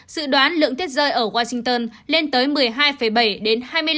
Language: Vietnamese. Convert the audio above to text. sự đoán lượng tiết rơi ở washington lên tới một mươi hai bảy đến hai mươi năm bốn